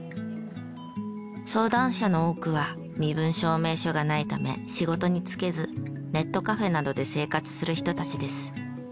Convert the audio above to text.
相談者の多くは身分証明書がないため仕事に就けずネットカフェなどで生活する人たちです。